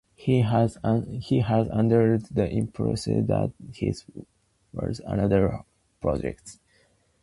He was under the impression that this was another Hallmark project.